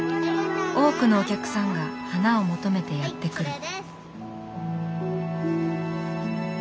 多くのお客さんが花を求めてやって来る。